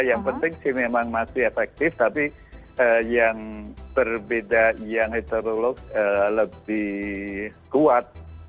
yang penting sih memang masih efektif tapi yang berbeda yang heterolog lebih kuat